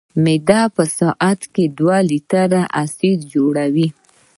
معده په ساعت دوه لیټره اسید جوړوي.